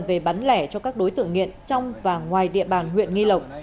về bán lẻ cho các đối tượng nghiện trong và ngoài địa bàn huyện nghi lộc